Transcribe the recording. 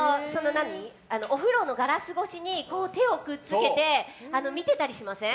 お風呂のガラス越しにこう手をくっつけて見ていたりしません？